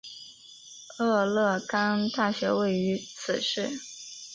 俄勒冈大学位于此市。